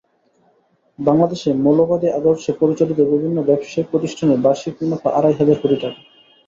বাংলাদেশে মৌলবাদী আদর্শে পরিচালিত বিভিন্ন ব্যবসায়িক প্রতিষ্ঠানের বার্ষিক মুনাফা আড়াই হাজার কোটি টাকা।